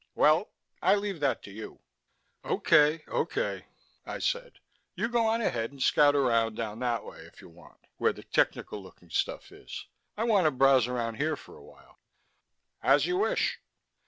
Well, I leave that to you." "Okay, okay," I said. "You go on ahead and scout around down that way, if you want where the technical looking stuff is. I want to browse around here for a while." "As you wish."